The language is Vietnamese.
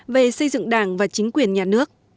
tám ba mươi sáu về xây dựng đảng và chính quyền nhà nước